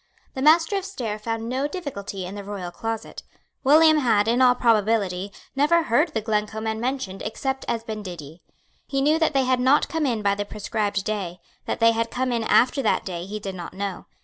The Master of Stair found no difficulty in the royal closet. William had, in all probability, never heard the Glencoe men mentioned except as banditti. He knew that they had not come in by the prescribed day. That they had come in after that day he did not know.